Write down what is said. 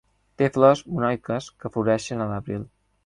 Té flors monoiques que floreixen a l'abril.